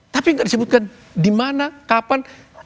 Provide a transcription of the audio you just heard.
tapi tidak disebutkan di mana kapan